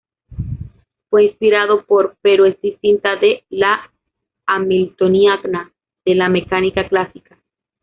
Fue inspirado por, pero es distinta de, la hamiltoniana de la mecánica clásica.